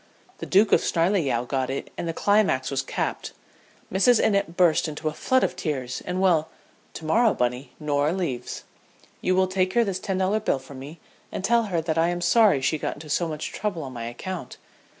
The Duke of Snarleyow got it and the climax was capped. Mrs. Innitt burst into a flood of tears and well, to morrow, Bunny, Norah leaves. You will take her this ten dollar bill from me, and tell her that I am sorry she got into so much trouble on my account.